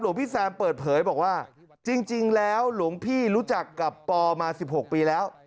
พี่แซมเปิดเผยบอกว่าจริงแล้วหลวงพี่รู้จักกับปอมา๑๖ปีแล้ว